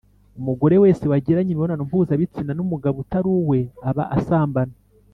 Umugore wese wagiranye imibonano mpuzabitsina n’umugabo utari uwe aba asambana